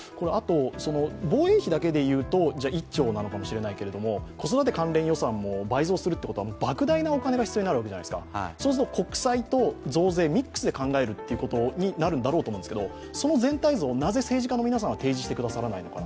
防衛費だけでいうと１兆なのかもしれないけれども子育て関連予算を倍増するということはばく大なお金が必要になるわけじゃないですか、するは国債と増税、ミックスで考えるということになるんだろうと思うんですけどその全体像をなぜ政治家の皆さんは提示してくださらないのか。